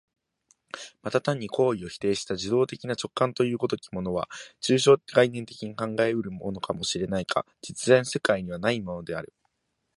また単に行為を否定した受働的な直覚という如きものは、抽象概念的に考え得るかも知れないが、実在の世界にはないのである。